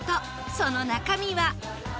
その中身は。